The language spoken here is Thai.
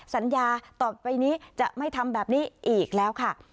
สัญญาต่อไปนี้จะไม่ทำแบบนี้อีกแล้วค่ะ